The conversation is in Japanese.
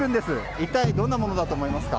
一体どんなものだと思います？